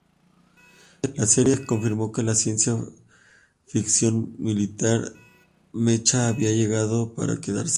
La serie confirmo que la ciencia ficción militar mecha había llegado para quedarse.